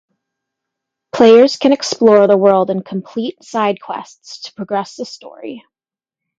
Players can explore the world and complete side quests to progress the story.